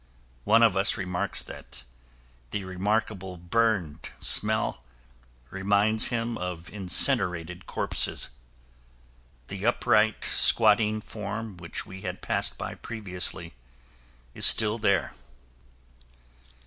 One of us remarks that the remarkable burned smell reminds him of incinerated corpses. The upright, squatting form which we had passed by previously is still there.